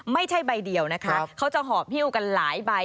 ไม่ใช่ใบเดียวนะคะเขาจะหอบฮิ้วกันหลายใบ